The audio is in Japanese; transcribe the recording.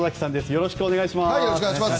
よろしくお願いします。